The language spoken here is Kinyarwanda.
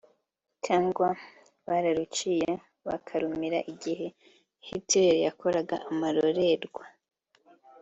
cyangwa bararuciye bakarumira igihe Hitler yakoraga amarorera rwe